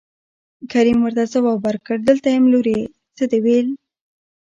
کريم ورته ځواب ورکړ دلته يم لورې څه دې وويل.